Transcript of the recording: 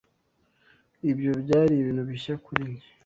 Ibyo byari ibintu bishya kuri njye.